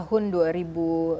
di indonesia juga